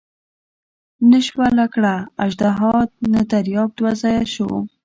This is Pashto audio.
نه شوه لکړه اژدها نه دریاب دوه ځایه شو.